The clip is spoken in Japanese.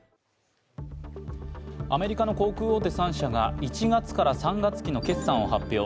アメリカの航空大手３社が１月から３月期の決算を発表。